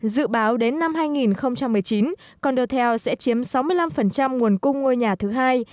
dự báo đến năm hai nghìn một mươi chín condotel sẽ chiếm sáu mươi năm nguồn cung ngôi nhà thứ hai